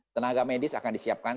tenaga medis akan disiapkan